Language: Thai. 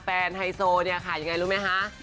แฟนไทโซยังไงรู้ไหมคะ